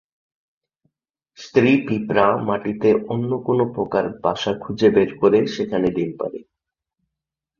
স্ত্রী পিঁপড়া মাটিতে অন্য কোন পোকার বাসা খুজে বের করে সেখানে ডিম পাড়ে।